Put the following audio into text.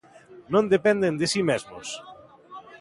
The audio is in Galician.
Non dependen de si mesmos.